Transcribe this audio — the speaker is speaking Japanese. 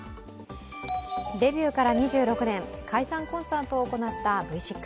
デビューから２６年、解散コンサートを行ったＶ６。